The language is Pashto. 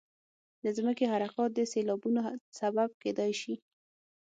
د ځمکې حرکات د سیلابونو سبب کېدای شي.